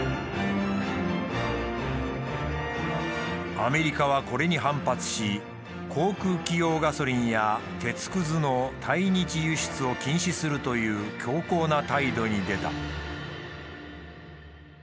アメリカはこれに反発し航空機用ガソリンや鉄くずの対日輸出を禁止するという強硬な態度に出た。